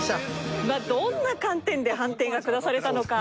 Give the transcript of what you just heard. どんな観点で判定が下されたのか。